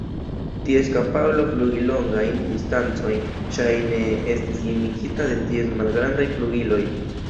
Ties kapablo flugi longajn distancojn ŝajne estis limigita de ties malgrandaj flugiloj.